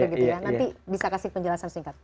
nanti bisa kasih penjelasan singkat